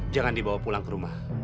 jangan dibawa pulang ke rumah